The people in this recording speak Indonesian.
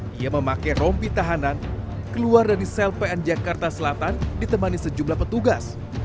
dia memakai rompi tahanan keluar dari sel pn jakarta selatan ditemani sejumlah petugas